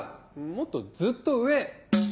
もっとずっと上。